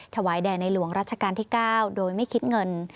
แถวายแดหนัยหลวงรัชกรรมที่๙โดยไม่ขิดเงิน